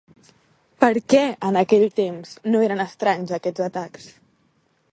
Per què en aquell temps no eren estrany aquests atacs?